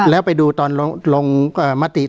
แล้วไปดูตอนลงมติ